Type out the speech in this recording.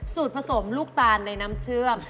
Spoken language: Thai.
ผสมลูกตาลในน้ำเชื่อม